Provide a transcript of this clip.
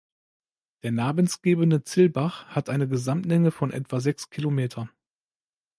Der namensgebende Zillbach hat eine Gesamtlänge von etwa sechs Kilometer.